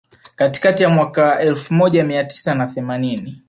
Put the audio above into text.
Katikati ya mwaka elfu moja mia tisa na themanini